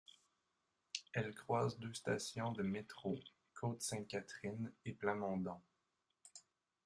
Elle croise deux stations de métro: Côte-Sainte-Catherine et Plamondon.